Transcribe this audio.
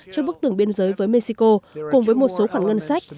cho bức tường biên giới với mexico cùng với một số khoản ngân sách